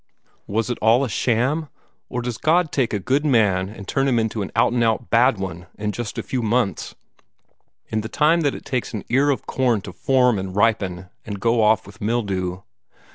Was it all a sham, or does God take a good man and turn him into an out and out bad one, in just a few months in the time that it takes an ear of corn to form and ripen and go off with the mildew?